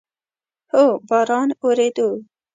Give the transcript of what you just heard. هو، باران اوورېدو